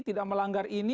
tidak melanggar ini